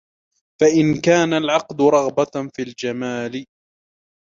فَإِنْ كَانَ الْعَقْدُ رَغْبَةً فِي الْجَمَالِ